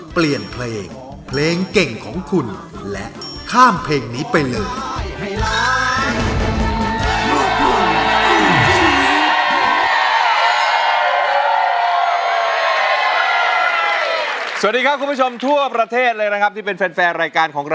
เปลี่ยนเพลงเพลงเก่งของคุณและข้ามเพลงนี้ไปเลย